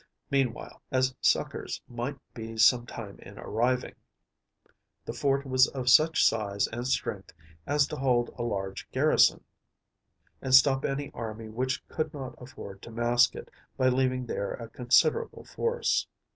Meanwhile, as succors might be some time in arriving, the fort was of such size and strength as to hold a large garrison, and stop any army which could not afford to mask it, by leaving there a considerable force.